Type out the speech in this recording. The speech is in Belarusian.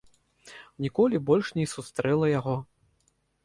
Ніколі больш не сустрэла яго.